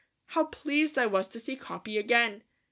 How pleased I was to see Capi again.